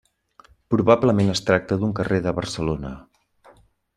Probablement es tracta d'un carrer de Barcelona.